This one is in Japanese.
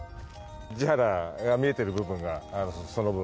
地肌が見えている部分が、その分、